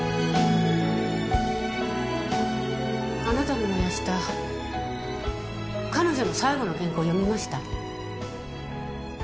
あなたの燃やした彼女の最後の原稿読みました。